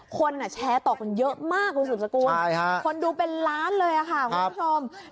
คนแชร์ต่อกันเยอะมากคุณสุดสกุลคนดูเป็นล้านเลยค่ะคุณผู้ชม